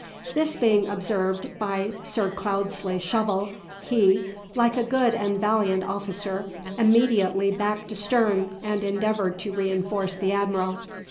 This being observed by Sir Cloudesley Shovel, he, like a good and valiant officer, immediately backed astern and endeavoured to reinforce the admiral.